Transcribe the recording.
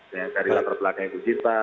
saya mencari latar belakang ibu sinta